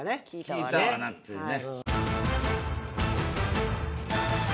「聞いたわな」っていうね。